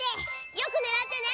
よくねらってね！